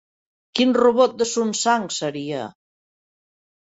Quin robot de Sunsang seria?